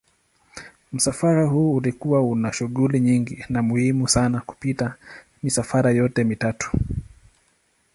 Msafara huu ulikuwa una shughuli nyingi na muhimu sana kupita misafara yote mitatu.